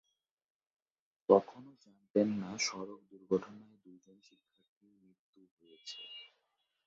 তখনো জানতেন না সড়ক দুর্ঘটনায় দুজন শিক্ষার্থীর মৃত্যু হয়েছে।